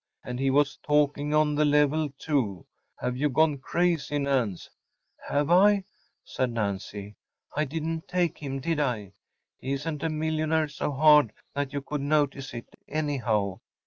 And he was talking on the level, too. Have you gone crazy, Nance?‚ÄĚ “Have I?‚ÄĚ said Nancy. “I didn’t take him, did I? He isn’t a millionaire so hard that you could notice it, anyhow.